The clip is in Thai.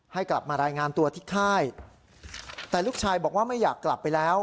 ให้กลับมารายงานตัวที่ค่ายแต่ลูกชายบอกว่าไม่อยากกลับไปแล้ว